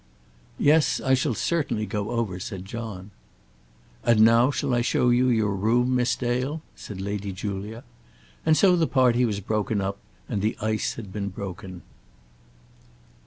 "Yes; I shall certainly go over," said John. "And now shall I show you your room, Miss Dale?" said Lady Julia. And so the party was broken up, and the ice had been broken.